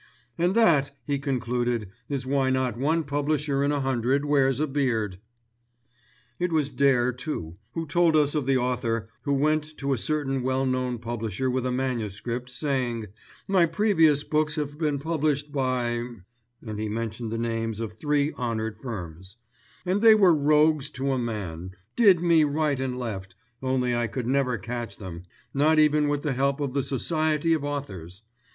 "And that," he concluded, "is why not one publisher in a hundred wears a beard." It was Dare, too, who told us of the author who went to a certain well known publisher with a manuscript, saying, "My previous books have been published by—(and he mentioned the names of three honoured firms)—and they were rogues to a man, did me right and left, only I could never catch them, not even with the help of the Society of Authors.